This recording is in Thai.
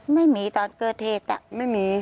ไม่มีตอนเกิดเหตุไม่มี